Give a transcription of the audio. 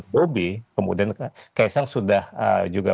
bobi kemudian kaisang juga